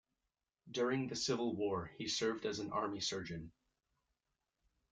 During the Civil War he served as an army surgeon.